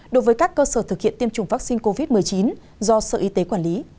đối với các cơ sở thực hiện tiêm chủng vaccine covid một mươi chín do sở y tế quản lý